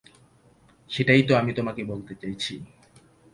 সেটাই তো আমি তোমাকে বলতে চাইছি।